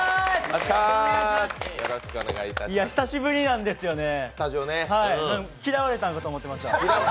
久しぶりなんですよね嫌われたんかと思ってました。